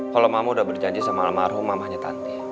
kalo mama udah berjanji sama lama lama rumahnya tante